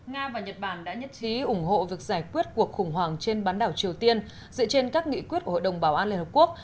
nga và nhật bản đã nhất trí ủng hộ việc giải quyết cuộc khủng hoảng trên bán đảo triều tiên dựa trên các nghị quyết của hội đồng bảo an liên hợp quốc